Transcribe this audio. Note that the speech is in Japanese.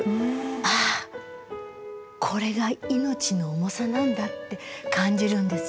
「ああこれが命の重さなんだ」って感じるんですよ。